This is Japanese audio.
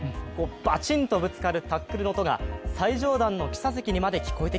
バチンとぶつかるタックルの音が最上段の記者席にまで聞こえて